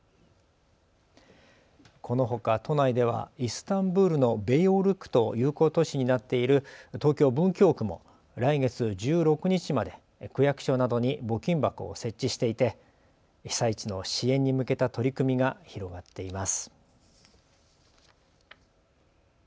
このほか都内ではイスタンブールのベイオウル区と友好都市になっている東京文京区も来月１６日まで区役所などに募金箱を設置していて被災地の支援に向けた取り組みが広がっています。